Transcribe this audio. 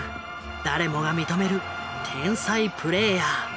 誰もが認める天才プレーヤー。